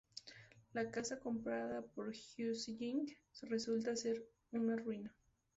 La casa comprada por Hüseyin resulta ser una ruina.